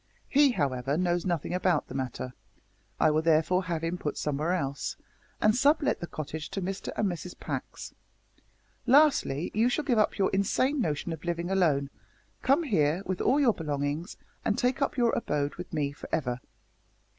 He, however, knows nothing about the matter. I will therefore have him put somewhere else, and sub let the cottage to Mr and Mrs Pax. Lastly, you shall give up your insane notion of living alone, come here, with all your belongings, and take up your abode with me for ever."